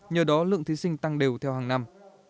nhờ đó lượng thí sinh tăng đều theo hàng năm